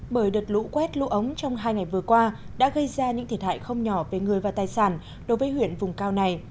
bởi đợt lũ quét lũ ống trong hai ngày vừa qua đã gây ra những thiệt hại không nhỏ về người và tài sản đối với huyện vùng cao này